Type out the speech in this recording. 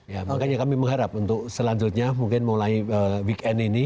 ya makanya kami mengharap untuk selanjutnya mungkin mulai weekend ini